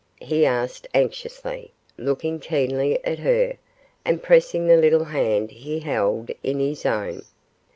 he asked anxiously, looking keenly at her, and pressing the little hand he held in his own.